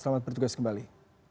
selamat bertugas kembali